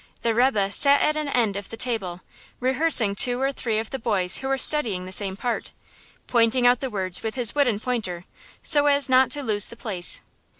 The rebbe sat at an end of the table, rehearsing two or three of the boys who were studying the same part, pointing out the words with his wooden pointer, so as not to lose the place.